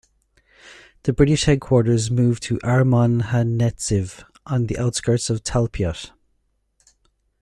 The British headquarters moved to Armon HaNetziv, on the outskirts of Talpiot.